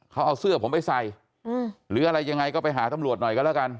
เขาเอาเสื้อผมไปใส่หรืออะไรยังไงก็ไปหาตำรวจหน่อยก็แล้วกัน